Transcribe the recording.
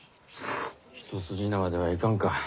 一筋縄ではいかんか。